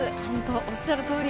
おっしゃるとおり。